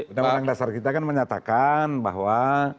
pada orang dasar kita kan menyatakan bahwa